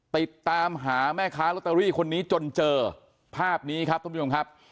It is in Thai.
ติดตามหาแม่ค้าลอตเตอรี่คนนี้จนเจอภาพนี้ครับท่านผู้ชมครับ